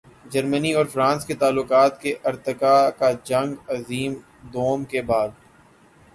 جرمنی اور فرانس کے تعلقات کے ارتقاء کا جنگ عظیم دوئم کے بعد۔